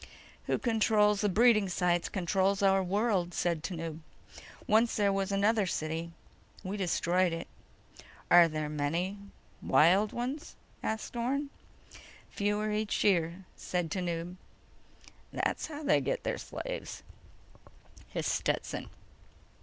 _ "Who controls the breeding sites controls our world," said Tanub. "Once there was another city. We destroyed it." "Are there many ... wild ones?" asked Orne. "Fewer each year," said Tanub. "There's how they get their slaves," hissed Stetson.